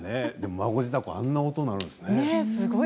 孫次凧あんな音が鳴るんですね。